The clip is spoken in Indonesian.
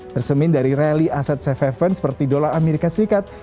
persemin dari rally aset safe haven seperti dolar amerika serikat